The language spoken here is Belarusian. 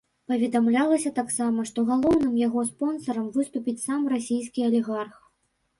Паведамлялася таксама, што галоўным яго спонсарам выступіць сам расійскі алігарх.